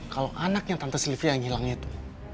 kalau anaknya tante sylvia yang hilangnya itu